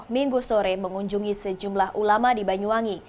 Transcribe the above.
minggu sore mengunjungi sejumlah ulama di banyuwangi